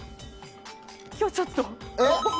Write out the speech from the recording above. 今日、ちょっと。